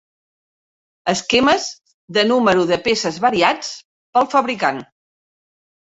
Esquemes de número de peces variats pel fabricant.